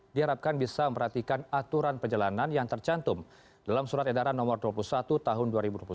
diharapkan bisa memperhatikan aturan perjalanan yang tercantum dalam surat edaran nomor dua puluh satu tahun dua ribu dua puluh satu